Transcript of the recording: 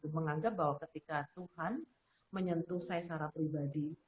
menganggap bahwa ketika tuhan menyentuh saya secara pribadi